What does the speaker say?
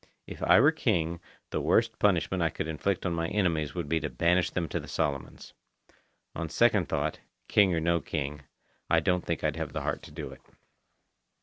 If I were king, the worst punishment I could inflict on my enemies would be to banish them to the Solomons. On second thought, king or no king, I don't think I'd have the heart to do it.)